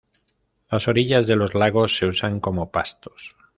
Las orillas de los lagos se usan como pastos.